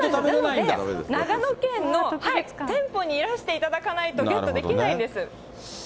長野県の店舗にいらしていただかないとゲットできないんです。